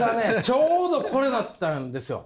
ちょうどこれだったんですよ。